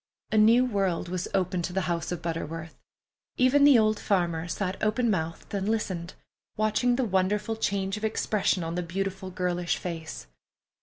A new world was opened to the house of Butterworth. Even the old farmer sat open mouthed and listened, watching the wonderful change of expression on the beautiful girlish face.